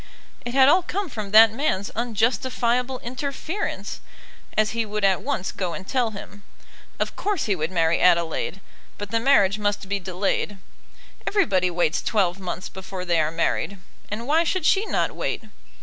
It had all come from that man's unjustifiable interference, as he would at once go and tell him. Of course he would marry Adelaide, but the marriage must be delayed. Everybody waits twelve months before they are married; and why should she not wait?